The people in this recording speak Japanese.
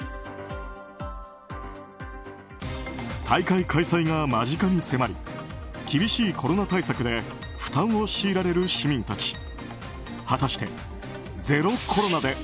大会開催が間近に迫り厳しいコロナ対策で負担を強いられる市民たち。